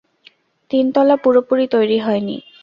তিনতলা পুরোপুরি তৈরি হয় নি।